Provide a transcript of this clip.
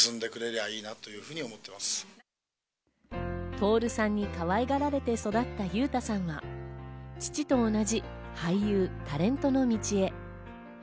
徹さんにかわいがられて育った裕太さんは、父と同じ俳優、タレントの道へ。